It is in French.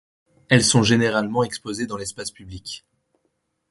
Elles sont généralement exposées dans l'espace public.